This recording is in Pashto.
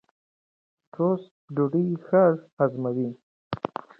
ټوسټ ډوډۍ ښه هضمېږي.